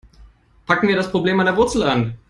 Packen wir das Problem an der Wurzel an.